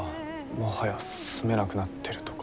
もはや住めなくなってるとか。